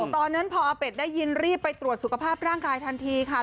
ตอนนั้นพออาเป็ดได้ยินรีบไปตรวจสุขภาพร่างกายทันทีค่ะ